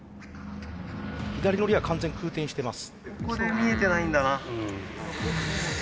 左のリア完全に空転してます。